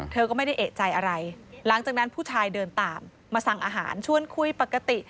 เธอก็ไม่ได้เอกใจอะไรหลังจากนั้นผู้ชายเดินตามมาสั่งอาหารชวนคุยปกติ